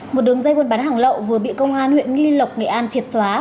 một đường dây quân bắn hỏng lậu vừa bị công an huyện nghi lộc nghệ an triệt xóa